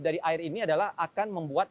dari air ini adalah akan membuat